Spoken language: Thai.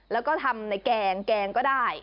แล้วก็ทำในแกงแกงก็ได้